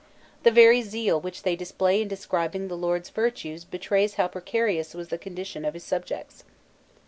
The very zeal which they display in describing the lord's virtues betrays how precarious was the condition of his subjects.